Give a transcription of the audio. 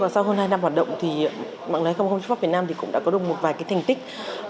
sau hơn hai năm hoạt động thì mạng lưới youthforce việt nam cũng đã có được một vài cái thành tích